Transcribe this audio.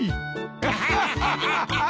アハハハハ。